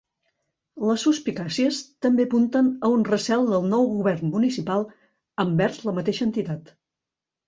Les suspicàcies també apunten a un recel del nou govern municipal envers la mateixa entitat.